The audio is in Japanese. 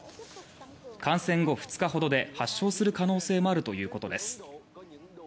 感染後２日ほどで発症する可能性もあるということです。